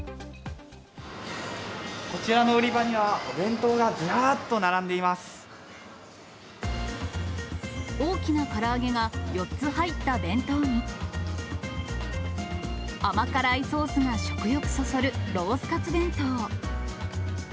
こちらの売り場には、大きなから揚げが４つ入った弁当に、甘辛いソースが食欲そそるロースカツ弁当。